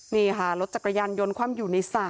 นี่ค่ะรถจักรยานยนต์คว่ำอยู่ในสระ